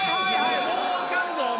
もうあかんぞお前。